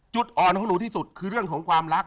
จุดอ่อนของหนูที่สุดคือเรื่องของความรัก